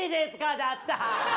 だった。